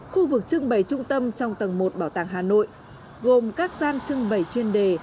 khu vực trưng bày trung tâm trong tầng một bảo tàng hà nội gồm các gian trưng bày chuyên đề